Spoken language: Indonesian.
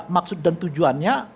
maksud dan tujuannya